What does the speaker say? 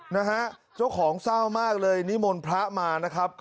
นะฮะเจ้าของเศร้ามากเลยนิมนต์พระมานะครับ